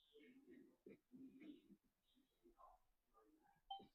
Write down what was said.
马甸自然形成交易市场。